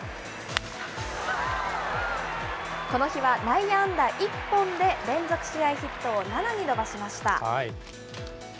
この日は、内野安打１本で連続試合ヒットを７に伸ばしました。